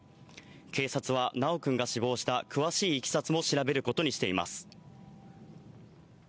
警察は修くんが死亡した詳しいいきさつも調べることにしています。